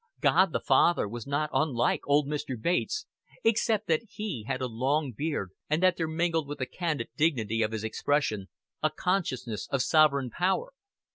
God the Father was not unlike old Mr. Bates, except that He had a long beard and that there mingled with the candid dignity of His expression a consciousness of sovereign power.